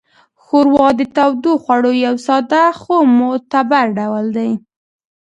ښوروا د تودوخوړو یو ساده خو معتبر ډول دی.